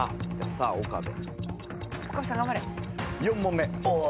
さあ岡部。